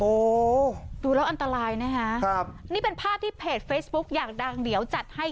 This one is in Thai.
โอ้โหดูแล้วอันตรายนะฮะครับนี่เป็นภาพที่เพจเฟซบุ๊กอยากดังเดี๋ยวจัดให้